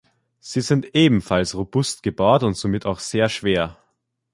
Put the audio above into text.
Sie sind ebenfalls robust gebaut und somit auch sehr schwer.